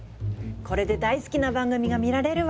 これで大好きな番組が見られるわ！